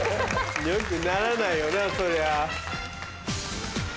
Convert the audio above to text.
良くならないよなそりゃあ。